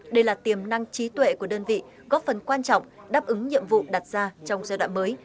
đây là tiềm năng trí tuệ của đơn vị góp phần quan trọng đáp ứng nhiệm vụ đặt ra trong giai đoạn mới